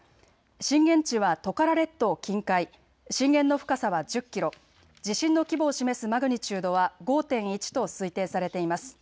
震源地はトカラ列島近海、震源の深さは１０キロ、地震の規模を示すマグニチュードは５．１と推定されています。